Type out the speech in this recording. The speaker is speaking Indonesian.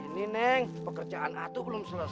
ini neng pekerjaan aku belum selesai